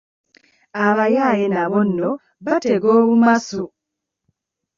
Abayaaye nabo nno batega obumasu!